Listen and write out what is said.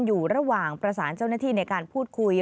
อยู่ระหว่างประสานเจ้าหน้าที่ในการพูดคุย